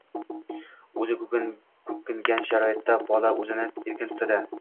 – o‘zi ko‘nikkan sharoitda bola o‘zini erkin tutadi.